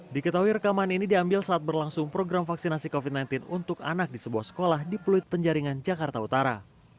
diketahui rekaman ini diambil saat berlangsung program vaksinasi covid sembilan belas untuk anak di sebuah sekolah di pluit penjaringan jakarta utara